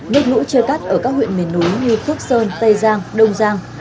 nếp lũ chưa cắt ở các huyện miền núi như khước sơn tây giang đông giang